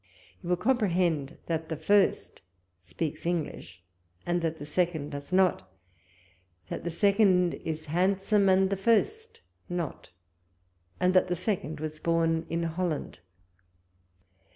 You will comprehend that the first speaks English, and that the second does not ; that the second is liandsome, and tlie first not ; and that the second was born in Holland.